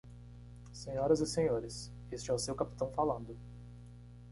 Senhoras e senhores, este é o seu capitão falando.